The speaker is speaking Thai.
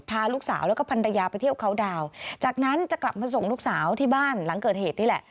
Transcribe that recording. พาลูกสาวแล้วก็พันรยาไปเที่ยวเขาดาวจากนั้นจะกลับมาส่งลูกสาวที่บ้านหลังเกิดเหตุนี่แหละ